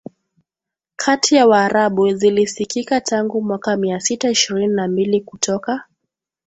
kati ya Waarabu zilisikika tangu mwaka Mia sita ishirini na mbili kutoka